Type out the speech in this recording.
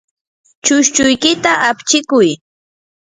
chushchuykita apchikuy.